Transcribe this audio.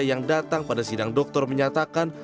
yang datang pada sidang dokter menyatakan